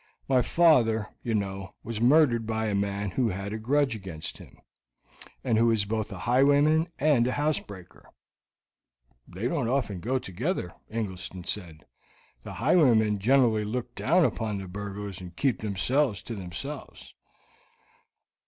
My father, you know, was murdered by a man who had a grudge against him, and who is both a highwayman and a house breaker." "They don't often go together," Ingleston said. "The highwaymen generally look down upon the burglars and keep themselves to themselves."